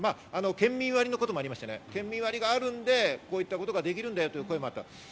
県民割のこともありまして、県民割りがあるから、こういったことができるんだという声もありました。